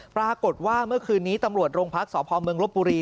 ปรากฏว่าเมื่อคืนนี้ตำรวจโรงพักษพเมืองลบบุรี